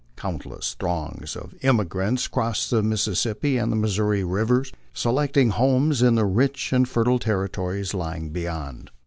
Countless throngs of emigrants crossed the Mississippi and Missouri rivers, selecting homes in the rich and fertile territories lying beyond.